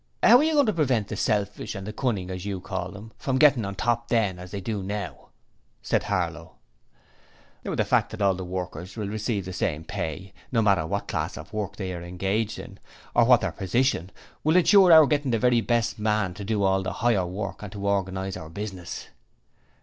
'How are you goin' to prevent the selfish and cunnin', as you call 'em, from gettin' on top THEN as they do now?' said Harlow. 'The fact that all workers will receive the same pay, no matter what class of work they are engaged in, or what their position, will ensure our getting the very best man to do all the higher work and to organize our business.'